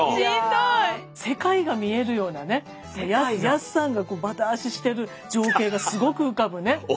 世界が見えるようなねやすさんがバタ足してる情景がすごく浮かぶね。